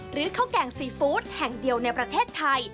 ข้าวแกงซีฟู้ดแห่งเดียวในประเทศไทย